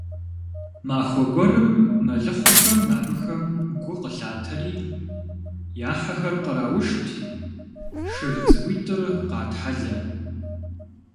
Махуэ гуэрым мэлыхъуэхэм абыхэм гу къылъатэри, я хьэхэр къраушт, шыр цӀыкӀуитӀыр къатхьэлэ.